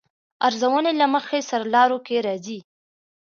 ارزونې له مخې سرلارو کې راځي.